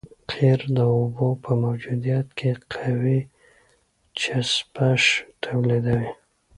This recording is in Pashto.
قیر د اوبو په موجودیت کې قوي چسپش تولیدوي